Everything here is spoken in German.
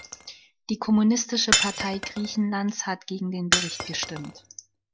Die Kommunistische Partei Griechenlands hat gegen den Bericht gestimmt.